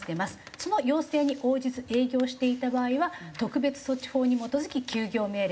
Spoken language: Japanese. その要請に応じず営業していた場合は特別措置法に基づき休業命令。